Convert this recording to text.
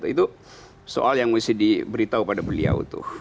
itu soal yang mesti diberitahu pada beliau tuh